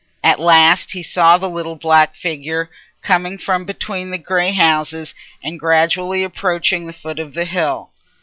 At last he saw the little black figure coming from between the grey houses and gradually approaching the foot of the hill.